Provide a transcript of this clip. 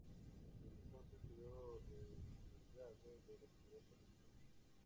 Desde entonces quedó relegado de la actividad política.